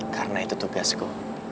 karena itu tugasku